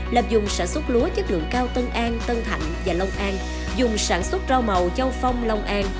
là dùng sản xuất lúa chất lượng cao tân an tân thạnh và long an dùng sản xuất rau màu châu phong long an